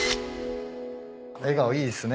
笑顔いいっすね。